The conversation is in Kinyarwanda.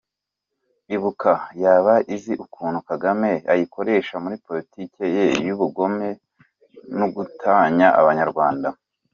Ibuka yaba izi ukuntu Kagame ayikoresha muri politique ye y’ubugome n’ugutanya abanyarwanda?